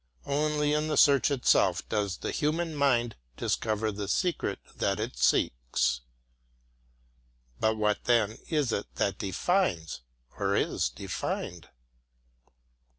Only in the search itself does the human mind discover the secret that it seeks. But what, then, is it that defines or is defined?